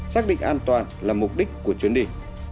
xác định an toàn là mục đích của chuyến đi